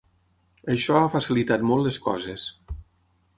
Això ha facilitat molt les coses.